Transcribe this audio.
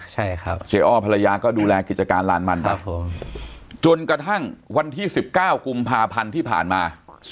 ใช่ครับเจ๊อ้อภรรยาก็ดูแลกิจการลานมันไปจนกระทั่งวันที่๑๙กุมภาพันธ์ที่ผ่านมา